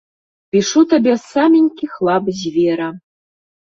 Пішу табе з саменькіх лап звера.